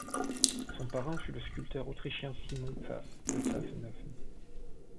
Son parrain fut le sculpteur autrichien Simon Pfaff de Pfaffenhoffen.